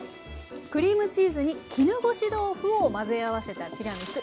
クリームチーズに絹ごし豆腐を混ぜ合わせたティラミス。